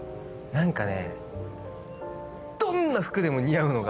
何かね。